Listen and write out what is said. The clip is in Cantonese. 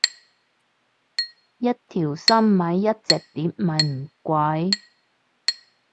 一條心買一隻碟咪唔貴